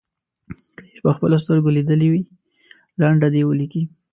که یې په خپلو سترګو لیدلې وي لنډه دې ولیکي.